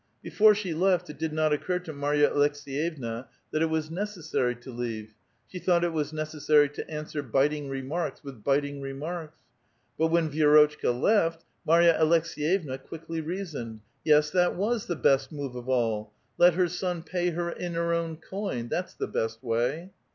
Before she left, it did not occur to Marva Aleks^yevna that it was necessary to leave ; she thought that it was necessar}' to answer biting remarks with biting remarks. But when Vi^rotchka left, Marya Aleks6yevna quickly rea soned, " Yes, that was the best move of all ; let her son pay her in her own coin, — that's the best way."